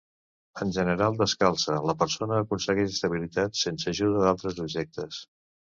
En general descalça, la persona aconsegueix estabilitat sense ajuda d'altres objectes.